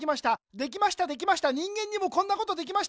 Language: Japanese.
できましたできました人間にもこんなことできました。